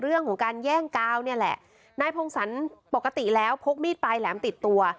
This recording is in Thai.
เรื่องของการแย่งกาวเนี่ยแหละนายพงศรปกติแล้วพกมีดปลายแหลมติดตัว